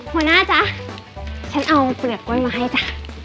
หัวหน้าจ๊ะฉันเอาเปลือกกล้วยมาให้จ้ะ